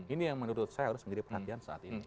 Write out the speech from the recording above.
ini yang menurut saya harus menjadi perhatian saat ini